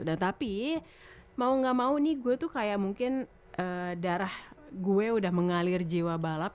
dan tapi mau nggak mau nih gue tuh kayak mungkin darah gue udah mengalir jiwa balap